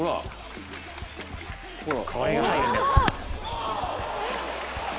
これが入るんです。